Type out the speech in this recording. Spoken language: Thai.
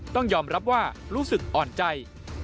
ต้องยอมรับว่ารู้สึกอ่อนใจ